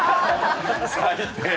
最低。